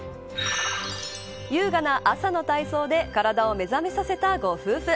優雅な朝の体操で体を目覚めさせたご夫婦。